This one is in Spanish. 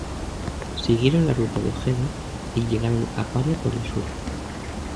Siguieron la ruta de Ojeda y llegaron a Paria por el sur.